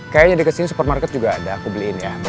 kayaknya jadi kesini supermarket juga ada aku beliin ya